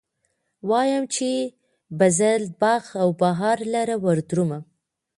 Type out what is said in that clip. وايم، چې به زه باغ و بهار لره وردرومم